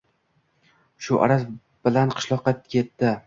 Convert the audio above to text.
Shu araz bilan qishloqqa ketdi